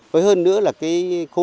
với hơn nữa là cái khối